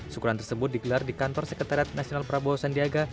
syukuran tersebut digelar di kantor sekretariat nasional prabowo sandiaga